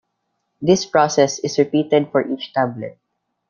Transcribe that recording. This process is repeated for each tablet.